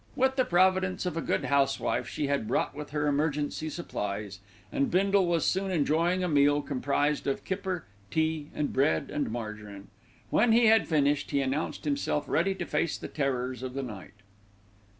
With the providence of a good housewife she had brought with her emergency supplies, and Bindle was soon enjoying a meal comprised of kipper, tea and bread and margarine. When he had finished, he announced himself ready to face the terrors of the night.